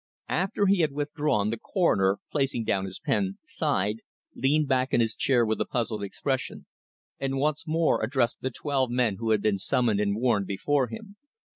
After he had withdrawn, the Coroner, placing down his pen, sighed, leaned back in his chair with a puzzled expression, and once more addressed the twelve men who had been "summoned and warned" before him.